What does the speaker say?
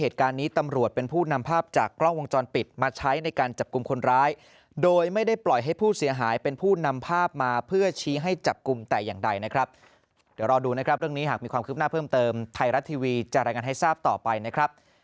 ทุกคนนี้เรารู้ชื่อที่อยู่หมดแล้วนะครับ